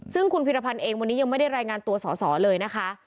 ซึ่งคุณพิรพันธ์เองวันนี้ยังไม่ได้รายงานตัวสอสอเลยนะคะ